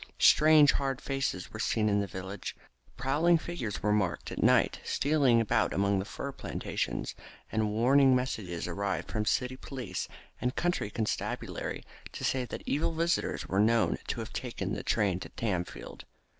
Strange hard faces were seen in the village street, prowling figures were marked at night stealing about among the fir plantations, and warning messages arrived from city police and county constabulary to say that evil visitors were known to have taken train to Tamfield.